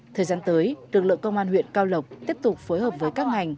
thời gian tới lực lượng công an huyện cao lộc tiếp tục phối hợp với các ngành